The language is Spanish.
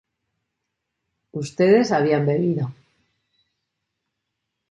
ustedes habían bebido